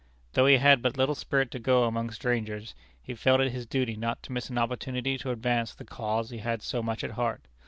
Though he had but little spirit to go among strangers, he felt it his duty not to miss an opportunity to advance the cause he had so much at heart.